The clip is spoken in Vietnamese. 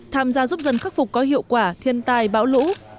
tham gia giúp dân khắc phục có hiệu quả thiên tai bão lũ